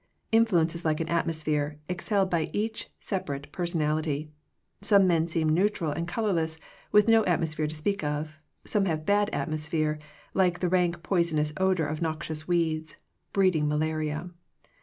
Influence is like an atmos phere exhaled by each separate person ality. Some men seem neutral and color less, with no atmosphere to speak of. Some have a bad atmosphere, like the rank poisonous odor of noxious weeds, breeding malaria.